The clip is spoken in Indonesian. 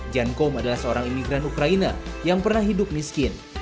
jan kom adalah seorang imigran ukraina yang pernah hidup miskin